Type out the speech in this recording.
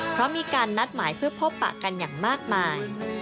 เพราะมีการนัดหมายเพื่อพบปะกันอย่างมากมาย